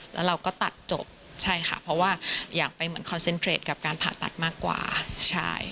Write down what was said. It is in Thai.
แล้วเราก็ตัดจบใช่ค่ะเพราะว่าอยากไปเหมือนคอนเซ็นเทรดกับการผ่าตัดมากกว่าใช่